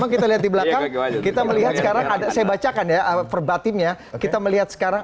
kita lihat di belakang kita melihat sekarang ada saya bacakan ya perbatimnya kita melihat sekarang